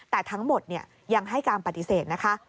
แต่ทั้งหมดยังให้การปฏิเสธนะคะ